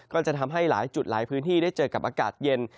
ก็จะทำให้หลายจุดหลายพื้นที่ได้เจอกับอากาศเย็น